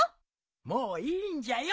もういいんじゃよ。